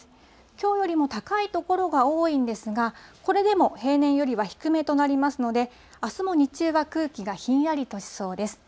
きょうよりも高い所が多いんですが、これでも平年よりは低めとなりますので、あすも日中は空気がひんやりとしそうです。